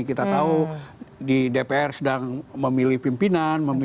kita tahu di dpr sedang memilih pimpinan